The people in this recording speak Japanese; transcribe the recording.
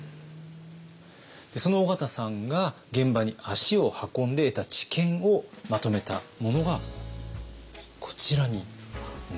その緒方さんが現場に足を運んで得た知見をまとめたものがこちらになります。